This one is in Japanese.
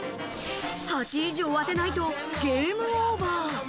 ８位以上を当てないとゲームオーバー。